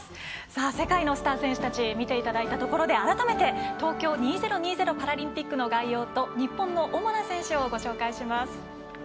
世界のスター選手たち見ていただいたところで改めて、東京２０２０パラリンピックの概要と日本の主な選手をご紹介します。